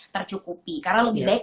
tercukupi karena lebih baik